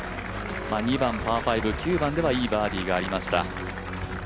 ２番、パー５、９番ではいいバーディーがありました。